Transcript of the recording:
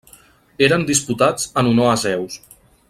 Eren disputats en honor a Zeus.